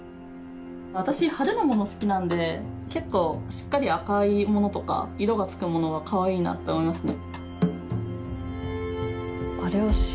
私派手なもの好きなんで結構しっかり赤いものとか色がつくものはかわいいなって思いますね。